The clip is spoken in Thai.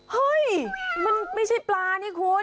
เฮ้ยมันไม่ใช่ปลานี่คุณ